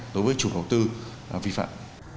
đối với chủ đầu tư vi phạm